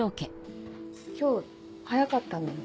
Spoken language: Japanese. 今日早かったんだね。